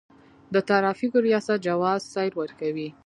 د ترافیکو ریاست جواز سیر ورکوي